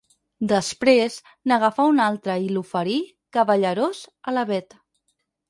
Després, n'agafà un altre i l'oferí, cavallerós, a la Bet.